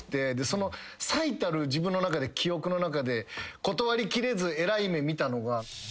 その最たる自分の中で記憶の中で断りきれずえらい目見たのが。